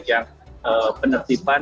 jadi saat ini belum efektif berjalan